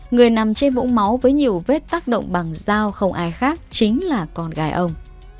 người nằm trên vũng máu với nhiều vết tác động bằng dao không ai khác chính là con gái ông